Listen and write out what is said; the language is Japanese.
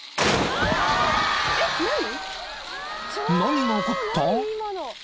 ［何が起こった？］